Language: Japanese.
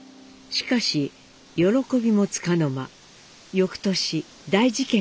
しかし喜びもつかの間よくとし大事件が起きます。